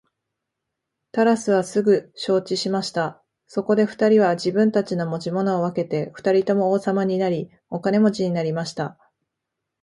タラスはすぐ承知しました。そこで二人は自分たちの持ち物を分けて二人とも王様になり、お金持になりました。